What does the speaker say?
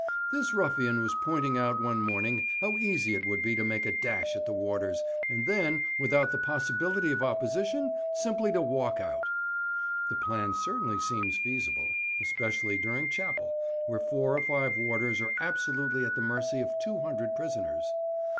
This ruffian was pointing out one morning how easy it would be to make a dash at the warders, and then, without the possibility of opposition, simply to walk out. The plan certainly seems feasible, especially during chapel, where four or five warders are absolutely at the mercy of two hundred prisoners.